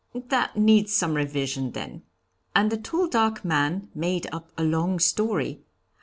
'That needs some revision, then.' And the tall, dark man made up a long story.